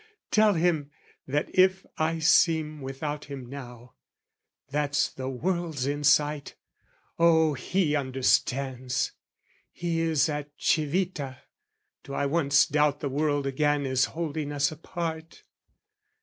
Tell him that if I seem without him now, That's the world's insight! Oh, he understands! He is at Civita do I once doubt The world again is holding us apart?